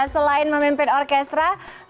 selain memimpin orkestra